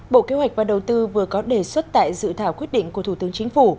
bộ kế hoạch và đầu tư vừa có đề xuất tại dự thảo quyết định của thủ tướng chính phủ